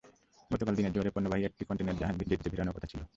গতকাল দিনের জোয়ারে পণ্যবাহী একটি কনটেইনার জাহাজ জেটিতে ভেড়ানোর কথা ছিল।